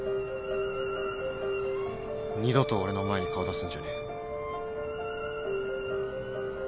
二度と俺の前に顔出すんじゃねえ。